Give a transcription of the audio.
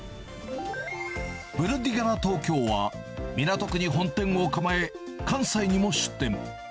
ブルディガラ東京は、港区に本店を構え、関西にも出店。